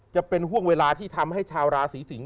จะเป็นห่วงเวลาที่ทำให้ชาวราศีสิงศ